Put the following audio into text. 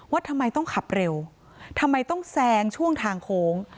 ว่าทำไมต้องขับเร็วทำไมต้องแซงช่วงทางโค้ง